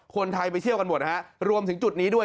คนไทยไปเที่ยวกันหมดนะฮะรวมถึงจุดนี้ด้วย